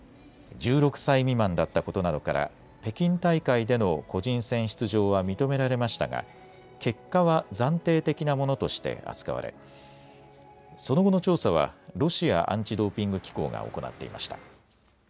１６歳未満だったことなどから北京大会での個人戦出場は認められましたが結果は暫定的なものとして扱われその後の調査はロシアアンチドーピング機構が行っていました。